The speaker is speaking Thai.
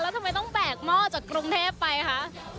แล้วทำไมต้องแบกหม้อจากกรุงเทพไปคะ